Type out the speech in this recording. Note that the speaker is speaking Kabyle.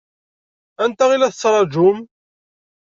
Anta i la tettṛaǧum?